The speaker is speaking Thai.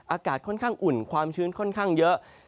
อากาศค่อนข้างอุ่นความชื้นค่อนข้างเยอะ